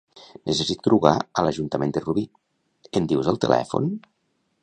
Necessito trucar a l'Ajuntament de Rubí, em dius el telèfon?